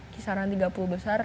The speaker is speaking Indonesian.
kisaran tiga puluh besar